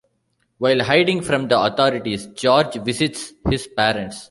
While hiding from the authorities, George visits his parents.